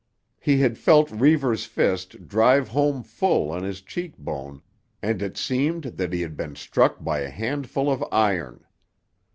He had felt Reivers' fist drive home full on his cheekbone and it seemed that he had been struck by a handful of iron.